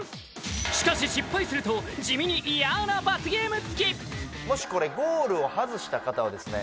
しかし失敗すると地味に嫌な罰ゲームつきもしこれゴールをはずした方はですね